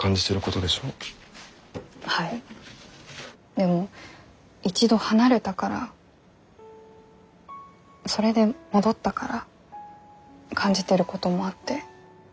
でも一度離れたからそれで戻ったから感じてることもあって。